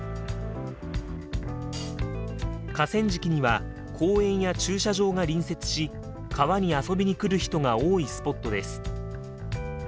河川敷には公園や駐車場が隣接し川に遊びに来る人が多いスポットです。